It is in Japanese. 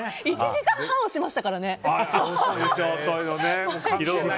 １時間半押しましたからね。